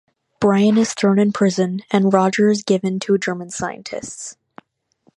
Brian is thrown in prison, and Roger is given to German scientists.